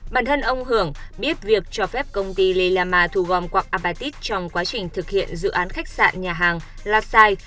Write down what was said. bản thân ông hưởng biết việc cho phép công ty lilama thù gom quặng apatit trong quá trình thực hiện dự án khách sạn nhà hàng là sai